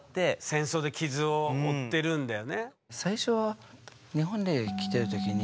戦争で傷を負ってるんだよね。